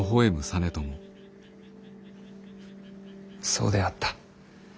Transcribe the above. そうであった。